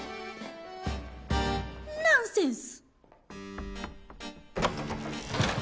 ナンセンス！